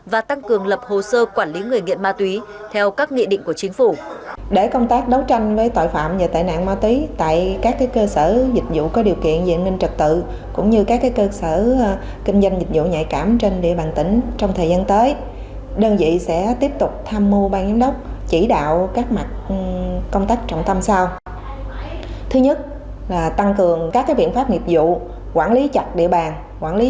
và tăng cường lập hồ sơ quản lý người nghiện ma túy theo các nghị định của chính phủ